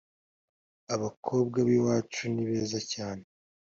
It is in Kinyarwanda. Abakobwa bi wacu ni beza cyane